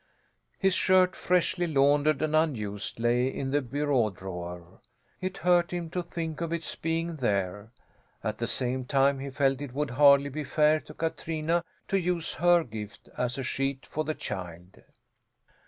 His shirt, freshly laundered and unused, lay in the bureau drawer. It hurt him to think of its being there; at the same time he felt it would hardly be fair to Katrina to use her gift as a sheet for the child.